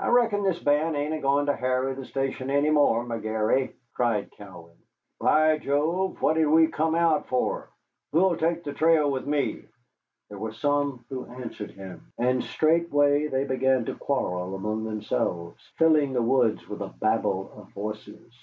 "I reckon this band ain't a goin' to harry the station any more, McGary," cried Cowan. "By Job, what did we come out for? Who'll take the trail with me?" There were some who answered him, and straightway they began to quarrel among themselves, filling the woods with a babel of voices.